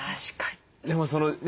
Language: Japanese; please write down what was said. でもそのね